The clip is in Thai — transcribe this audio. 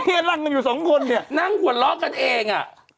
นี่รั่งกันอยู่๒คนนี่นั่งหัวเราะกันเอง